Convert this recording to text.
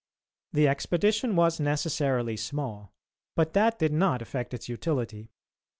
The expedition was necessarily small, but that did not affect its utility.